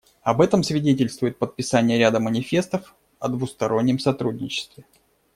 Об этом свидетельствует подписание ряда манифестов о двустороннем сотрудничестве.